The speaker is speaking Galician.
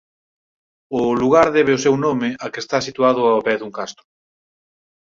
O lugar debe o seu nome a que está situado ó pé dun castro.